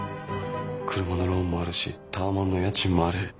車のローンもあるしタワマンの家賃もある。